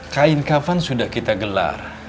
kain kafan sudah kita gelar